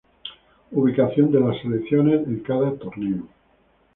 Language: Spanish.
Ubicación de las selecciones en cada torneo.